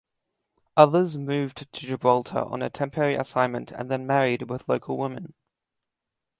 Others moved to Gibraltar on a temporary assignment and then married with local women.